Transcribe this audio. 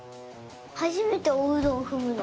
はじめておうどんふむの。